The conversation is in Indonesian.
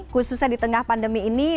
khususnya di tengah pandemi ini